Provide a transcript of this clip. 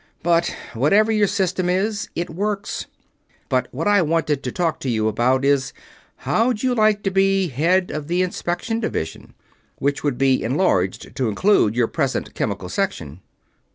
But whatever your system is, it works. But what I wanted to talk to you about is, how'd you like to be Head of the Inspection Division, which would be enlarged to include your present Chemical Section?"